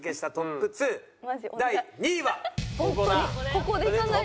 ここでいかないと。